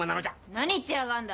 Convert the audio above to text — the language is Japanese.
何言ってやがんだ。